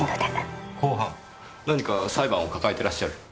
何か裁判を抱えてらっしゃる？